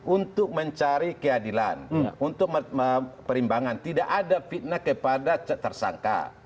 untuk mencari keadilan untuk perimbangan tidak ada fitnah kepada tersangka